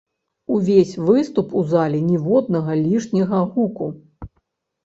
Увесь выступ у зале ніводнага лішняга гуку.